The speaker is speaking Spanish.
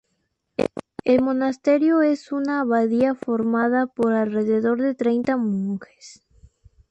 El monasterio es una abadía formada por alrededor de treinta monjes.